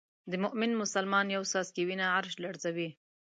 د مومن مسلمان یو څاڅکی وینه عرش لړزوي.